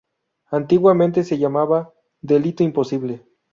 Antiguamente se llamaba ""delito imposible"".